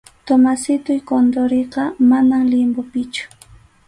Tomasitoy Condoriqa, manam limbopichu.